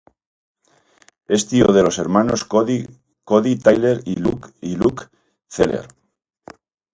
Es tío de los hermanos Cody, Tyler y Luke Zeller.